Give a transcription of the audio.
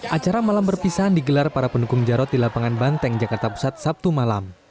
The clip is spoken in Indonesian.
acara malam berpisahan digelar para pendukung jarod di lapangan banteng jakarta pusat sabtu malam